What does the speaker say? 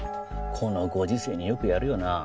このご時世によくやるよな。